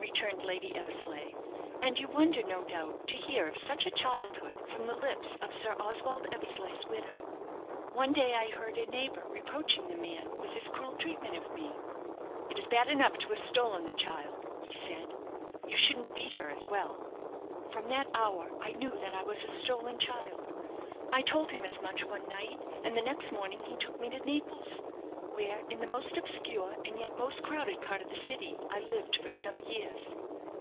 returned Lady Eversleigh. "And you wonder, no doubt, to hear of such a childhood from the lips of Sir Oswald Eversleigh's widow. One day I heard a neighbour reproaching the man with his cruel treatment of me. 'It is bad enough to have stolen the child,' he said; 'you shouldn't beat her as well.' From that hour I knew that I was a stolen child. I told him as much one night, and the next morning he took me to Naples, where, in the most obscure and yet most crowded part of the city, I lived for some years.